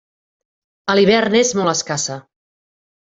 A l'hivern és molt escassa.